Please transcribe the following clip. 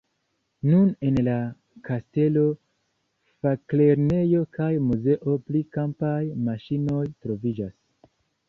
Nun en la kastelo faklernejo kaj muzeo pri kampaj maŝinoj troviĝas.